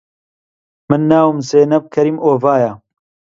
من ناوم زێنەب کەریم ئۆڤایە